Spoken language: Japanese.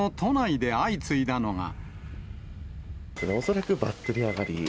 恐らくバッテリー上がり。